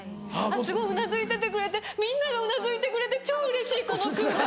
あっすごいうなずいててくれてみんながうなずいてくれて超うれしいこの空間！